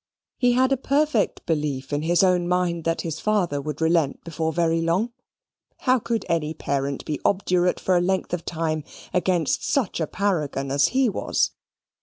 He had a perfect belief in his own mind that his father would relent before very long. How could any parent be obdurate for a length of time against such a paragon as he was?